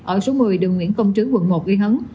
ở số một mươi đường nguyễn công trướng quận một ghi hấn